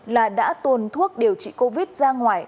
là đã tồn thuốc điều trị covid ra ngoài